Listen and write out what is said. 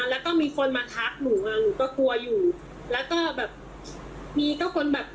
แล้วก็มีคนมาทักหนูอ่ะหนูก็กลัวอยู่แล้วก็แบบมีก็คนแบบ